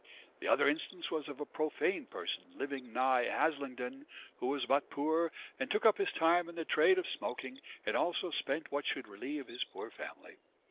The other instance was of a profane person living nigh Haslingdon (who was but poor) and took up his time in the trade of smoking and also spent what should reliev his poor family.